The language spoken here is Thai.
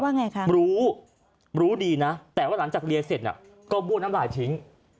ไงคะรู้รู้ดีนะแต่ว่าหลังจากเรียนเสร็จก็บ้วนน้ำลายทิ้ง